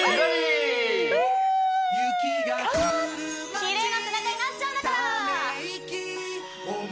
きれいな背中になっちゃうんだから！